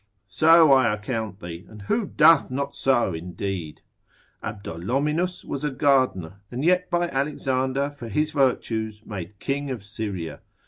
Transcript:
So I account thee; and who doth not so indeed? Abdolominus was a gardener, and yet by Alexander for his virtues made King of Syria.